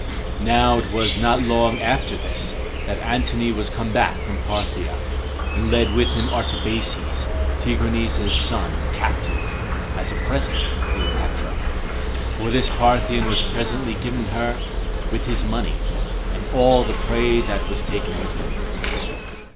Now it was not long after this that Antony was come back from Parthia, and led with him Artabazes, Tigranes's son, captive, as a present for Cleopatra; for this Parthian was presently given her, with his money, and all the prey that was taken with him.